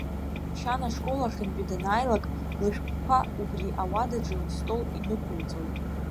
Шьана ашкол ахьынтәи данааилак, лышәҟәқәа убри ауадаҿы лыстол инықәлҵоит.